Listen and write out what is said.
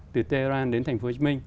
từ tehran đến thành phố hồ chí minh